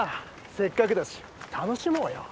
せっかくだし楽しもうよ。